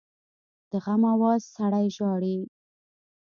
د غم آواز سړی ژاړي